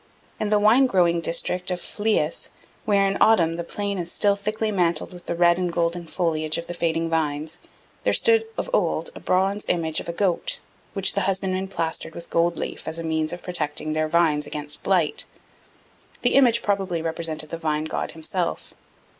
In the wine growing district of Phlius, where in autumn the plain is still thickly mantled with the red and golden foliage of the fading vines, there stood of old a bronze image of a goat, which the husbandmen plastered with gold leaf as a means of protecting their vines against blight. The image probably represented the vine god himself.